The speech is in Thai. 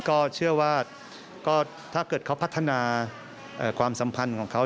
ก็เชื่อว่าก็ถ้าเกิดเขาพัฒนาความสัมพันธ์ของเขา